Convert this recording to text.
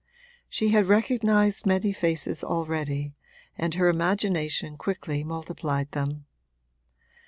She had recognised many faces already and her imagination quickly multiplied them.